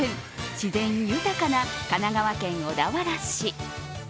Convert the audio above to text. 自然豊かな神奈川県小田原市。